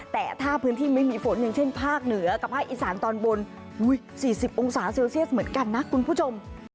แต่ถ้าพื้นที่ไม่มีฝนอย่างเช่นภาคเหนือกับภาคอีสานตอนบน๔๐องศาเซลเซียสเหมือนกันนะคุณผู้ชม